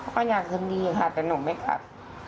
เขาอยากคืนนีค่ะแต่หนูไม่ขัด